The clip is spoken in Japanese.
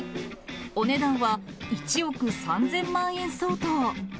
お値段は１億３０００万円相当。